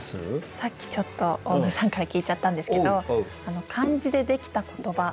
さっきちょっとオウムさんから聞いちゃったんですけど漢字でできた言葉。